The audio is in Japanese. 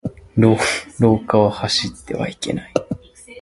廊下は走ってはいけない。